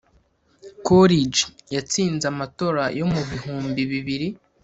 coolidge yatsinze amatora yo mu bihumbi bibiri